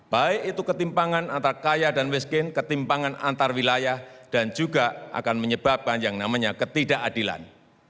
baik itu ketimpangan antar kaya dan miskin ketimpangan antar wilayah dan juga akan menyebabkan yang namanya ketidakadilan